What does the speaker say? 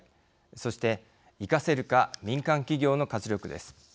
そして生かせるか民間企業の活力です。